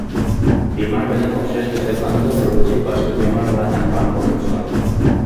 بىمار بىلەن ئوخشاش كېسەلخانىدا تۇرغۇچى باشقا بىمار ۋە ھەمراھ بولغۇچىلار.